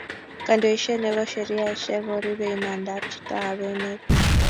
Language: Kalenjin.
kandoishet ne bo sheriasheck ko ripee imandaab chitoab emet